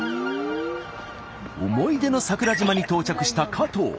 思い出の桜島に到着した加藤。